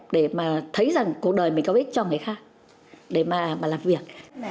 để mà thấy rằng cuộc đời mình có ích cho người khác để mà làm việc